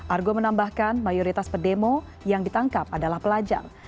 argo menambahkan mayoritas pedemo yang ditangkap adalah pelajar